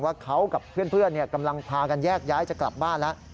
ว่าเขากับเพื่อนกำลังพากันแยกย้ายจะกลับบ้านแล้ว